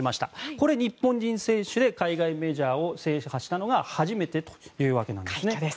これが、日本人選手で海外メジャーを制覇したのが初めてということです。